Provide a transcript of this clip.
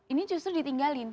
ini justru ditinggalin